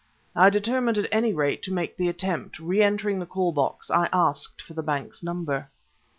I determined, at any rate, to make the attempt; reentering the call box, I asked for the bank's number.